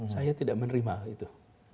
saya tidak menerima itu